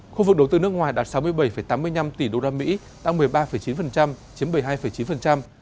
khu vực đầu tư nước ngoài đạt sáu mươi bảy tám mươi năm tỷ usd tăng một mươi ba chín chiếm bảy mươi hai chín